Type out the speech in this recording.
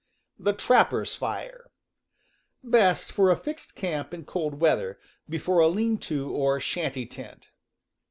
The Trapper's Fire. — Best for a fixed camp in cold weather, before a lean to or shanty tent.